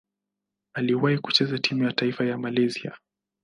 Aliwahi kucheza timu ya taifa ya Malaysia.